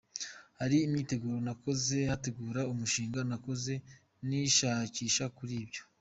Hari imyiteguro nakoze, gutegura umushinga, nakoze n’ishakisha kuri byo.